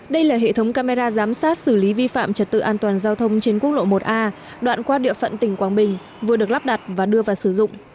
đây là hệ thống camera giám sát xử lý vi phạm trật tự an toàn giao thông trên quốc lộ một a đoạn qua địa phận tỉnh quảng bình vừa được lắp đặt và đưa vào sử dụng